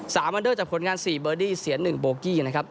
อันเดอร์จากผลงานสี่เบอร์ดี้เสียหนึ่งโบกี้นะครับ